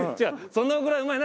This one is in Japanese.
そのぐらいうまい。